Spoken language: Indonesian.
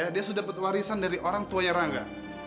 dia sudah petuarisan dari orang tuanya rangga